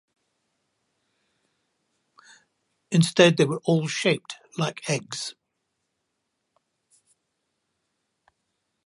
Instead, they were all shaped like eggs.